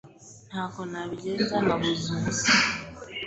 Ntako nabigenza nabuze ubusa